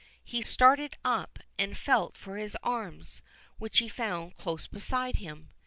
He started up, and felt for his arms, which he found close beside him.